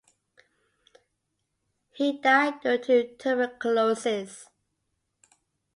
He died due to tuberculosis.